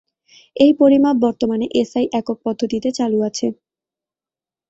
এই পরিমাপ বর্তমানে এসআই একক পদ্ধতিতে চালু আছে।